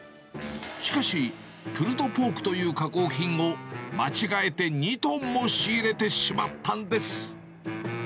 しかし、プルドポークという加工品を間違えて２トンも仕入れてしまったんです。